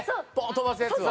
飛ばすやつは。